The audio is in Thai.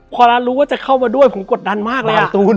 พอแล้วรู้ว่าจะเข้ามาด้วยผมกดดันมากเลย